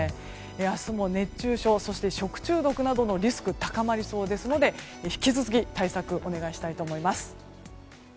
明日も熱中症や食中毒などのリスクが高まるので引き続き対策をお願いしたいと思います。